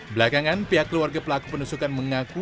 belakangan pihak keluarga pelaku penusukan mengaku